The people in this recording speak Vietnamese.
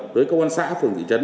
đối với công an xã phường thị trấn